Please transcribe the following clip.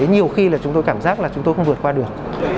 nhiều khi là chúng tôi cảm giác là chúng tôi không vượt qua được